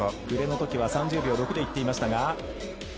リレーのときは３０秒６でいっていましたが。